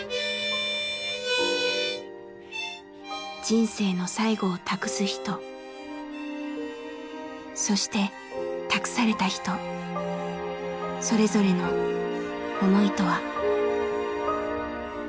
人生の最期を託す人そして託された人それぞれの思いとは。